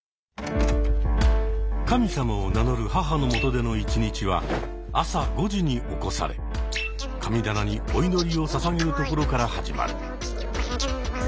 神様を名乗る母のもとでの一日は朝５時に起こされ神棚にお祈りをささげるところから始まる。